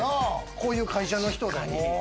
こういう会社の人。